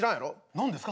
何ですか？